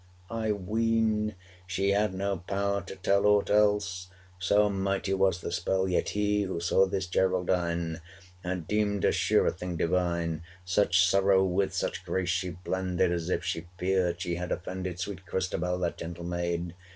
I ween, she had no power to tell Aught else: so mighty was the spell. Yet he, who saw this Geraldine, 475 Had deemed her sure a thing divine: Such sorrow with such grace she blended, As if she feared she had offended Sweet Christabel, that gentle maid!